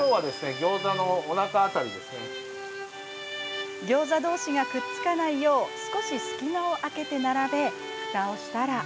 ギョーザどうしがくっつかないよう少し隙間を空けて並べふたをしたら。